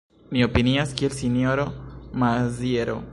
Mi opinias kiel sinjoro Maziero.